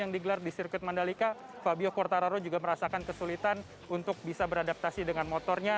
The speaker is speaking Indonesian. yang digelar di sirkuit mandalika fabio quartararo juga merasakan kesulitan untuk bisa beradaptasi dengan motornya